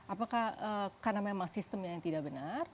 apakah karena memang sistemnya yang tidak benar